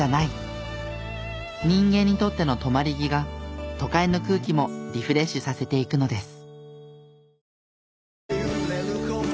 人間にとっての止まり木が都会の空気もリフレッシュさせていくのです。